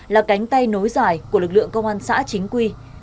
là cánh tay nối dài của lực lượng công an xã chính quy